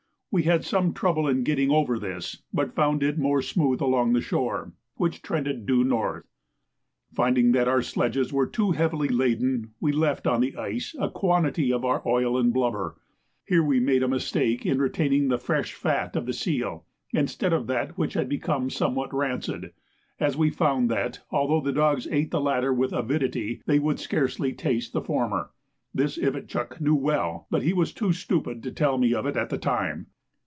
We had some trouble in getting over this, but found it more smooth along the shore, which trended due north. Finding that our sledges were too heavily laden, we left on the ice a quantity of our oil and blubber. Here we made a mistake in retaining the fresh fat of the seal, instead of that which had become somewhat rancid, as we found that, although the dogs ate the latter with avidity, they would scarcely taste the former. This Ivitchuk well knew, but he was too stupid to tell me of it at the time.